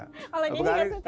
kalau nyanyi gak suka